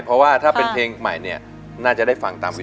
เพราะว่าถ้าเป็นเพลงใหม่เนี่ยน่าจะได้ฟังตามนี้